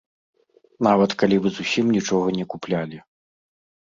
Нават калі вы зусім нічога не куплялі.